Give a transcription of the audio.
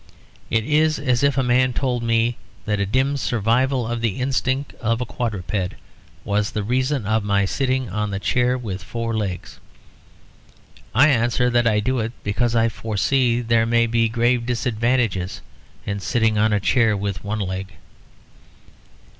It is as if a man told me that a dim survival of the instincts of a quadruped was the reason of my sitting on a chair with four legs. I answer that I do it because I foresee that there may be grave disadvantages in sitting on a chair with one leg.